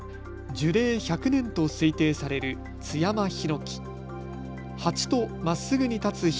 樹齢１００年と推定される津山檜。